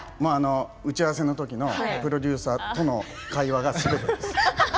打ち合わせの時のプロデューサーとの会話がすべてです。